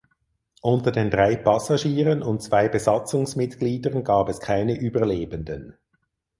Unter den drei Passagieren und zwei Besatzungsmitgliedern gab es keine Überlebenden.